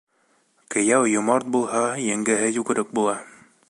Кейәү йомарт булһа, еңгәһе йүгерек була.